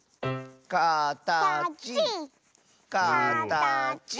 「かたちかたち」